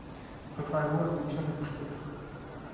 Préparez-vous à accomplir la Prière!